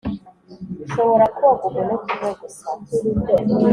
nshobora koga umunota umwe gusa